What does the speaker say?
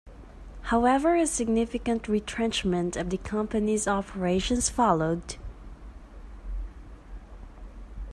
However, a significant retrenchment of the company's operations followed.